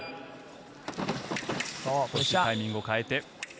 タイミングを変えて。